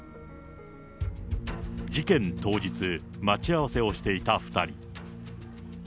事件当日、待ち合わせをしていた２人。